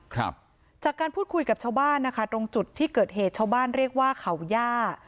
ครับจากการพูดคุยกับชาวบ้านนะคะตรงจุดที่เกิดเหตุชาวบ้านเรียกว่าเขาย่า